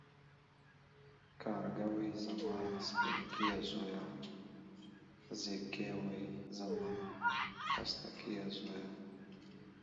کارگه وايي زما سپينکيه زويه ، ځېږگى وايي زما پستکيه زويه.